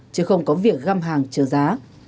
chứ không có việc găm hàng trở giá